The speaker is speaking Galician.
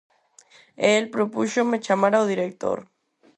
E el propúxome chamar ao director.